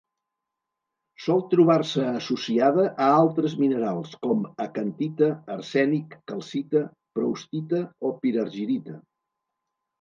Sol trobar-se associada a altres minerals com: acantita, arsènic, calcita, proustita o pirargirita.